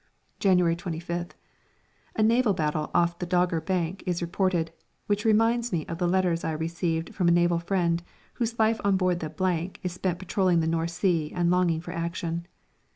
January 25th. A naval battle off the Dogger Bank is reported, which reminds me of the letters I receive from a naval friend, whose life on board the is spent patrolling the North Sea and longing for action.